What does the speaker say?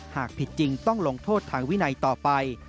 หากผิดจริงต้องลงโทษทางวินัยต่อไป